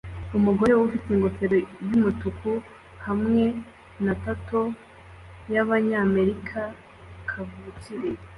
Umugore ufite ingofero yumutuku hamwe na tattoo y'Abanyamerika kavukire